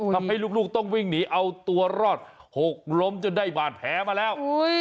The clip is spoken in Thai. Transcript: ทำให้ลูกต้องวิ่งหนีเอาตัวรอดหกล้มจนได้บาดแผลมาแล้ว